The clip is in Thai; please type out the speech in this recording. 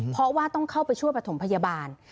เพราะว่าต้องเข้าไปช่วยประถมพยาบาล